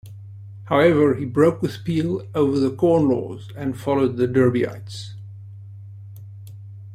However, he broke with Peel over the Corn Laws and followed the Derbyites.